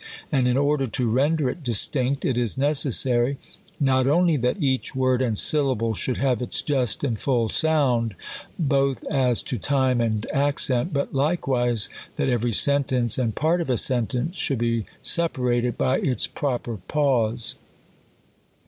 And in order to render it distinct, it is necessary, not only that each word and syllable should have its just and full sound, both as to time and accent, but likewise that every sentence, and part of a sentence, should be separated by its proper pause.